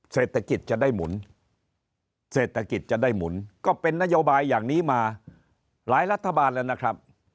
เศรษฐกิจจะได้หมุนเศรษฐกิจจะได้หมุนก็เป็นนโยบายอย่างนี้มาหลายรัฐบาลแล้วนะครับ